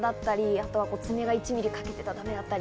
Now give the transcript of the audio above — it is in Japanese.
あと爪が１ｍｍ欠けてたらだめだったり。